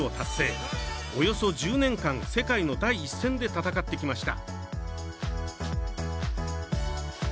およそ１０年間世界の第一線で戦ってきました。